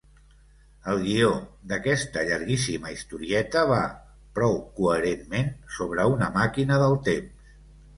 El guió d'aquesta llarguíssima historieta va, prou coherentment, sobre una màquina del temps.